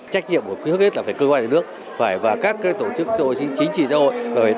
trách nhiệm của quyết hợp nhất là phải cư quan cho nước phải và các tổ chức xã hội chính trị xã hội